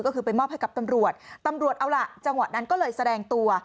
ก็คือไปมอบให้กับตำรวจตำรวจเอาล่ะจังหวะนั้นก็เลยแสดงตัว